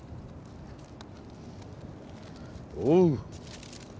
おう！